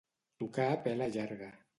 Tocar pela llarga.